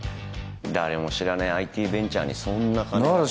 誰も知らねえＩＴベンチャーにそんな金がなら